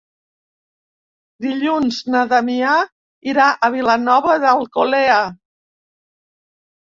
Dilluns na Damià irà a Vilanova d'Alcolea.